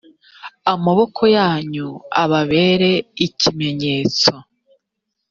amaboko yanyu ababere ikimenyetso